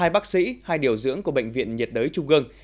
hai bác sĩ hai điều dưỡng của bệnh viện nhiệt đới trung ương